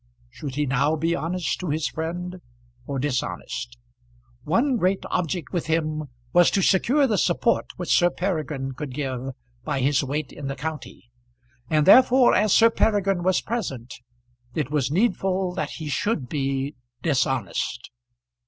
Should he now be honest to his friend, or dishonest? One great object with him was to secure the support which Sir Peregrine could give by his weight in the county; and therefore, as Sir Peregrine was present, it was needful that he should be dishonest.